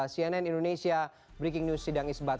cnn indonesia breaking news sidang isbat